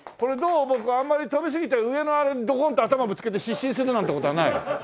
ボクあんまり飛びすぎて上のあれにドコンと頭ぶつけて失神するなんて事はない？